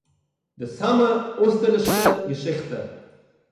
די סאַמע אויסטערלישסטע געשיכטע